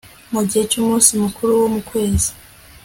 mu gihe cy umunsi mukuru wo mu kwezi